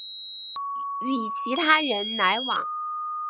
与其他人来往